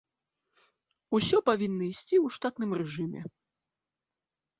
Усё павінна ісці ў штатным рэжыме.